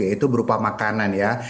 yaitu berupa makanan ya